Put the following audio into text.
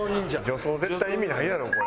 助走絶対意味ないやろこれ。